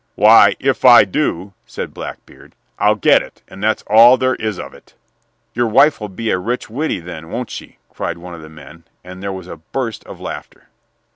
"Why, if I do," said Blackbeard, "I get it, and that's all there is of it." "Your wife 'll be a rich widdy then, won't she?" cried one of the men; and there was a burst of laughter.